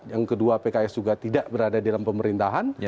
yang kedua pks juga tidak berada di dalam pemerintahan